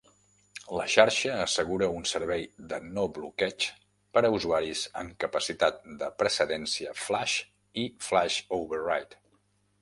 La xarxa assegura un servei de no bloqueig per a usuaris amb capacitat de precedència "flash" i "flash override".